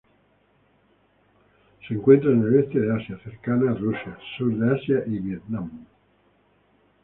Se encuentra en el Este de Asia, cercana Rusia, Sur de Asia y Vietnam.